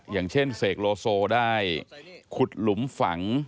อย่างเช่นเสกโลโซได้ขุดหลุมฝัง